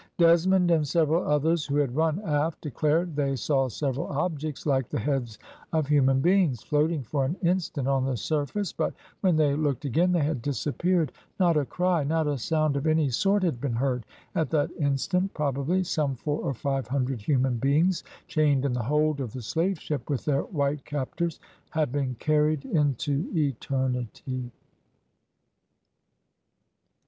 Desmond and several others who had run aft declared they saw several objects, like the heads of human beings, floating for an instant on the surface, but when they looked again they had disappeared. Not a cry, not a sound of any sort had been heard. At that instant probably some four or five hundred human beings chained in the hold of the slave ship, with their white captors, had been carried into eternity.